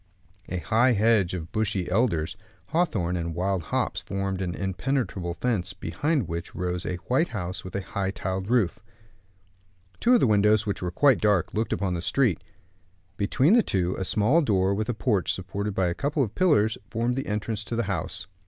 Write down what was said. A high hedge of bushy elders, hawthorn, and wild hops formed an impenetrable fence, behind which rose a white house, with a high tiled roof. Two of the windows, which were quite dark, looked upon the street. Between the two, a small door, with a porch supported by a couple of pillars, formed the entrance to the house.